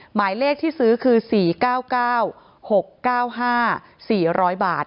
หมายเลขที่ซื้อคือ๔๙๙๖๙๕๔๐๐บาท